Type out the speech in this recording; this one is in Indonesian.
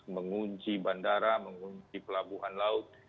mengunci bandara mengunci pelabuhan laut